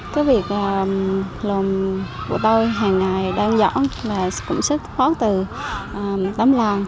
cái việc lòng của tôi hàng ngày đang dõi là cũng rất khó từ tấm làng